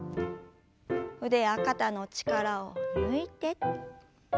腕や肩の力を抜いて。